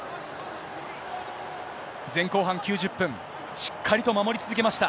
前後半９０分、しっかりと守り続けました。